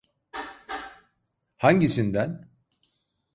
Hangisinden?